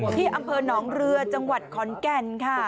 ที่อำเภอหนองเรือจังหวัดขอนแก่นค่ะ